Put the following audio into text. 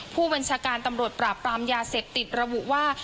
ผู้บัญชาการตำรวจปราบปรามยาเสพติดระบุว่า